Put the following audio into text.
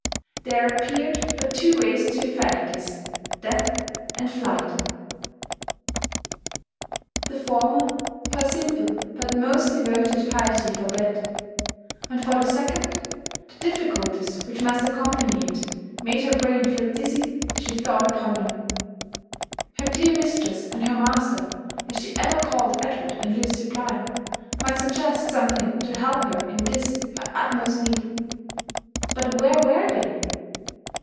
There appeared but two ways to effect this—death and flight. The JONATHAN JK'FEBSON WHITLAW. 18 former, her simple but most devoted piety forbad ; and for the second, the difficulties which must accompany it made her brain feel dizzy as she thought upon them. Her dear mistress and her master, as she ever called Edward and Lucy Bligh, might suggest something to help her in this her utmost need. But where were they?